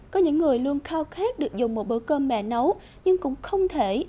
có những người luôn khao khát được dùng một bữa cơm mẹ nấu nhưng cũng không thể